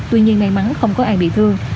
tuy nhiên may mắn không có ai bị thương